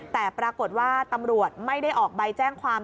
แต่ปรากฏว่าตำรวจไม่ได้ออกใบแจ้งความ